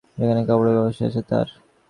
সেখানে কাপড়ের ব্যবসায় আছে তাঁর।